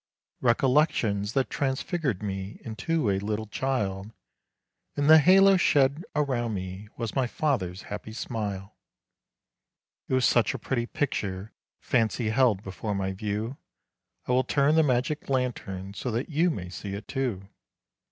Recollections that transfigured me into a little child, And the halo shed around me was my father's happy smile. It was such a pretty picture Fancy held before my view, I will turn the magic lantern so that you may see it, too.